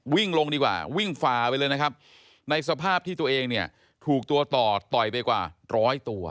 วิ่งลงดีกว่าวิ่งฝ่าไปเลยนะครับในสภาพที่ตัวเองเนี่ยถูกตัวต่อต่อยไปกว่าร้อยตัว